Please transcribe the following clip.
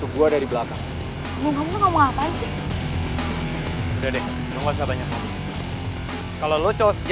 aku udah cukup